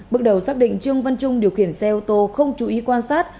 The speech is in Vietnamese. bước đầu xác định trương văn trung điều khiển xe ô tô không chú ý quan sát